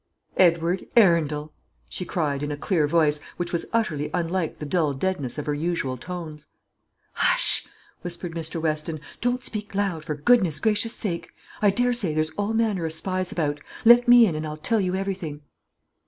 "Edward Arundel!" she cried, in a clear voice, which was utterly unlike the dull deadness of her usual tones. "Hush," whispered Mr. Weston; "don't speak loud, for goodness gracious sake. I dessay there's all manner of spies about. Let me in, and I'll tell you everything."